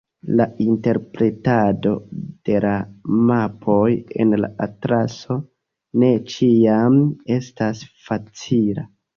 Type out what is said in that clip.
La interpretado de la mapoj en la atlaso ne ĉiam estas facila.